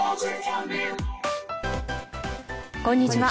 こんにちは。